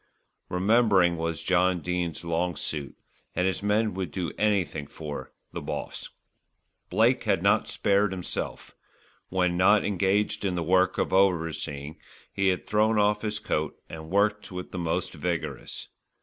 Remembering was John Dene's long suit; and his men would do anything for "the Boss." Blake had not spared himself. When not engaged in the work of overseeing, he had thrown off his coat and worked with the most vigorous.